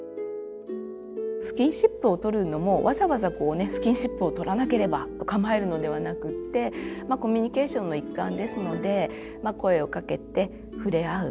スキンシップを取るのもわざわざスキンシップを取らなければと構えるのではなくってコミュニケーションの一環ですので声をかけて触れ合う。